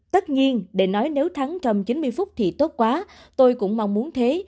tất nhiên để nói nếu thắng trong chín mươi phút thì tốt quá tôi cũng mong muốn thế